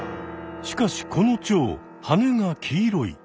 しかしこのチョウはねが黄色い。